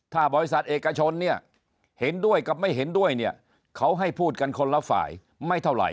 ถ้าบริษัทเอกชนเนี่ยเห็นด้วยกับไม่เห็นด้วยเนี่ยเขาให้พูดกันคนละฝ่ายไม่เท่าไหร